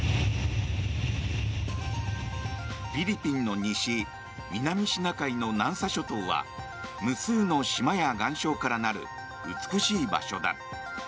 フィリピンの西南シナ海の南沙諸島は無数の島や岩礁から成る美しい場所だ。